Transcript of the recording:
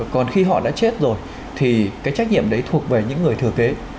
còn khi họ đã chết rồi thì cái trách nhiệm đấy thuộc về những người thừa kế